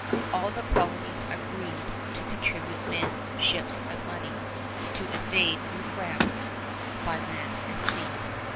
All the colonies agreed to contribute men, ships, and money to invade New France by land and sea.